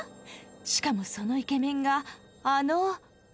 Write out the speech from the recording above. しかもそのイケメンがあの。